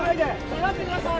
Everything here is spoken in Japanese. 下がってください！